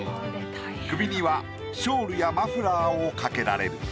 首にはショールやマフラーをかけられる。